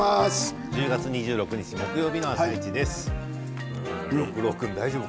１０月２６日木曜日の「あさイチ」です。